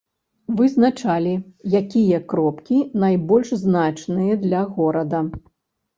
Вызначалі, якія кропкі найбольш значныя для горада.